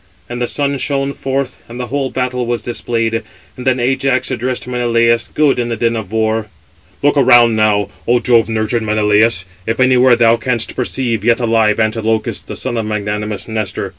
And the sun shone forth, and the whole battle was displayed, and then Ajax addressed Menelaus, good in the din of war: "Look around now, O Jove nurtured Menelaus, if anywhere thou canst perceive, yet alive, Antilochus, the son of magnanimous Nestor.